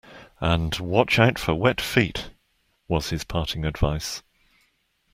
And watch out for wet feet, was his parting advice.